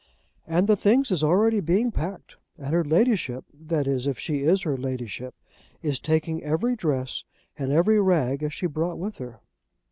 "And the things is already being packed, and her Ladyship, that is, if she is her Ladyship, is taking every dress and every rag as she brought with her."